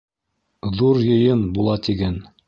Ҙур йыйын була, тиген.